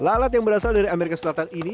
lalat yang berasal dari amerika selatan ini